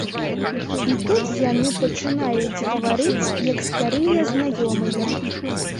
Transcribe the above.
І тут яны пачынаюць гаварыць як старыя знаёмыя.